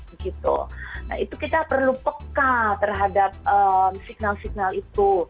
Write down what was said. nah itu kita perlu peka terhadap signal signal itu